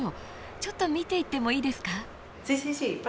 ちょっと見ていってもいいですか？